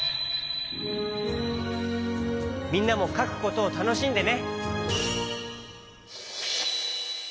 みんなもかくことをたのしんでね。